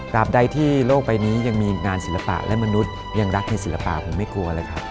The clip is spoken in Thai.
ใดที่โลกใบนี้ยังมีงานศิลปะและมนุษย์ยังรักในศิลปะผมไม่กลัวเลยครับ